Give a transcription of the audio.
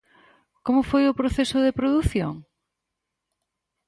Como foi o proceso de produción?